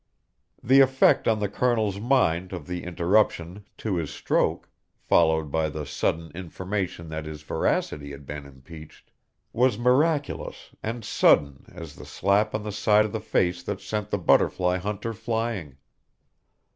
The effect on the colonel's mind of the interruption to his stroke, followed by the sudden information that his veracity had been impeached, was miraculous and sudden as the slap on the side of the face that sent the butterfly hunter flying.